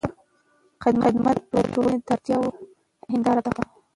خدمت د ټولنې د اړتیاوو هنداره ده.